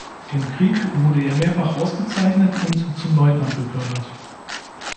Im Krieg wurde er mehrfach ausgezeichnet und zum Leutnant befördert.